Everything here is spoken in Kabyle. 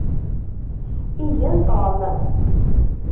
Igen Tom.